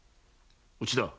内田。